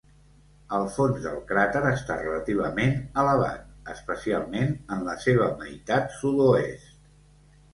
El fons del cràter està relativament elevat, especialment en la seva meitat sud-oest.